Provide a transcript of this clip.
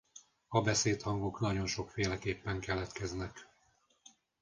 A beszédhangok nagyon sokféleképpen keletkeznek.